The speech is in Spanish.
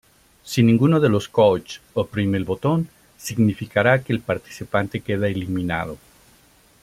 Si ninguno de los "coaches" oprime el botón, significará que el participante queda eliminado.